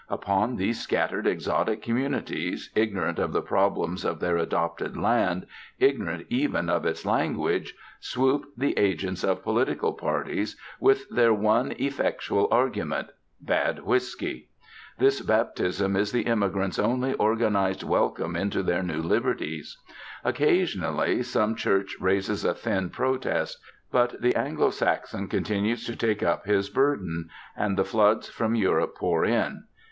Upon these scattered exotic communities, ignorant of the problems of their adopted land, ignorant even of its language, swoop the agents of political parties, with their one effectual argument bad whisky. This baptism is the immigrants' only organised welcome into their new liberties. Occasionally some Church raises a thin protest. But the 'Anglo Saxon' continues to take up his burden; and the floods from Europe pour in.